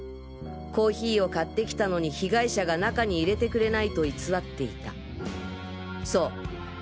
コーヒーを買ってきたのに被害者が中に入れてくれないと偽っていたそう